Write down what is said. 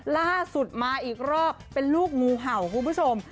ล่าสุดมาอีกรอบเป็นลูกงูเห่าคุณผู้ชม